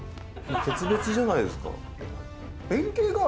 決別じゃないですか。